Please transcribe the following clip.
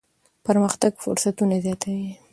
پرمختګ فرصتونه زیاتوي.